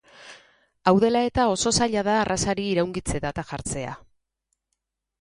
Hau dela eta, oso zaila da arrazari iraungitze data jartzea.